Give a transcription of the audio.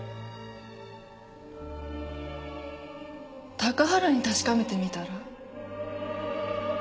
高原に確かめてみたら？